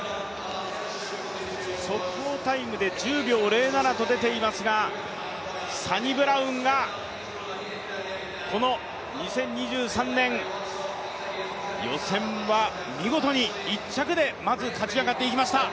速報タイムで１０秒０７と出ていますが、サニブラウンがこの２０２３年、予選は見事に１着でまず勝ち上がってきました。